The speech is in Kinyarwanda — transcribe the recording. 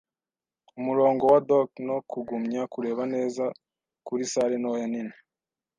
umurongo wa dock no kugumya kureba neza kuri salle ntoya nini